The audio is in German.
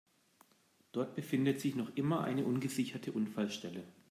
Dort befindet sich noch immer eine ungesicherte Unfallstelle.